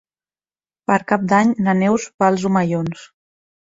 Per Cap d'Any na Neus va als Omellons.